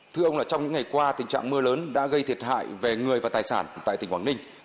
thưa ông trong những ngày qua tình trạng mưa lớn đã gây thiệt hại về người và tài sản tại tỉnh quảng ninh